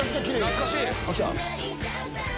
懐かしい！